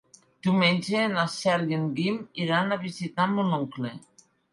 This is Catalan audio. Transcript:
Diumenge na Cel i en Guim iran a visitar mon oncle.